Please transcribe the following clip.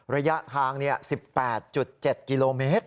ระยะทาง๑๘๗กิโลเมตร